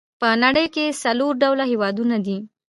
په نړۍ کې څلور ډوله هېوادونه دي.